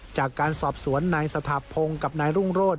จากการสอบสวนนายสถาพงศ์กับนายรุ่งโรธ